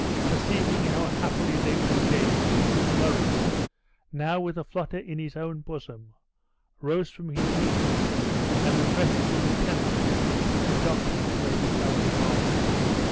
Perceiving how happily they were engaged, Murray, now with a flutter in his own bosom, rose from his knees, and requested the lieutenant to conduct him to Lady Helen Mar.